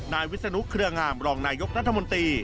วิศนุเครืองามรองนายกรัฐมนตรี